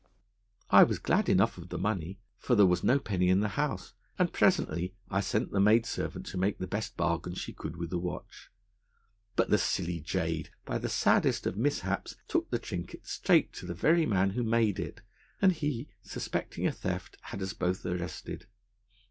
I was glad enough of the money, for there was no penny in the house, and presently I sent the maid servant to make the best bargain she could with the watch. But the silly jade, by the saddest of mishaps, took the trinket straight to the very man who made it, and he, suspecting a theft, had us both arrested.